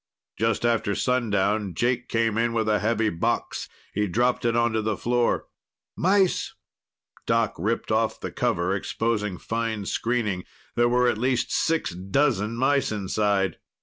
Just after sundown, Jake came in with a heavy box. He dropped it onto the floor. "Mice!" Doc ripped off the cover, exposing fine screening. There were at least six dozen mice inside!